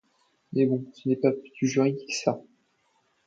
Mais bon, ce n'est pas du juridique ça.